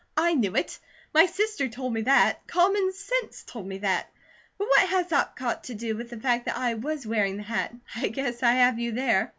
"I knew it. My sister told me that. Common sense told me that! But what has that got to do with the fact that I WAS wearing the hat? I guess I have you there!"